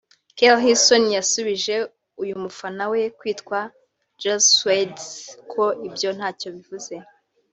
Keri Hilson yasubije uyu mufana we witwa Jalsweedie ko ibyo ntacyo bivuze